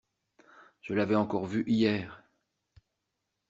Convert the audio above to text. Je l’avais encore vu hier.